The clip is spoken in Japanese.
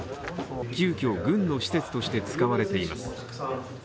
急きょ、軍の施設として使われています。